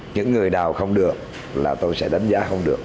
những người nào không được là tôi sẽ đánh giá không được